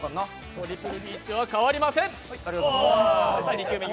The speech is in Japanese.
トリプルリーチは変わりません！